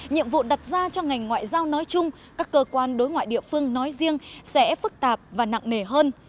nhiệm vụ đặt ra cho ngành ngoại giao nói chung các cơ quan đối ngoại địa phương nói riêng sẽ phức tạp và nặng nề hơn